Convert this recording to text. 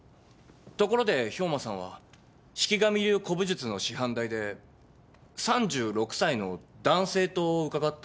ところで兵馬さんは四鬼神流古武術の師範代で３６歳の男性と伺ったのですが。